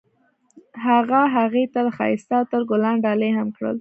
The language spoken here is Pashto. هغه هغې ته د ښایسته عطر ګلان ډالۍ هم کړل.